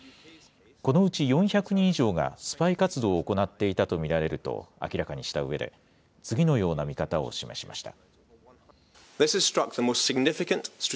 このうち４００人以上がスパイ活動を行っていたと見られると明らかにしたうえで、次のような見方を示しました。